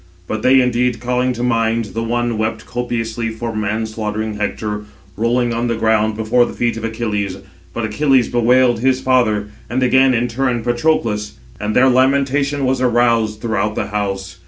But they indeed, calling to mind, the one 794 wept copiously [for] man slaughtering Hector, rolling [on the ground] before the feet of Achilles; but Achilles bewailed his father, and again in turn Patroclus; and their lamentation was aroused throughout the house.